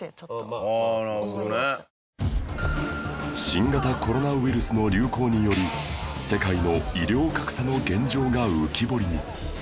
新型コロナウイルスの流行により世界の医療格差の現状が浮き彫りに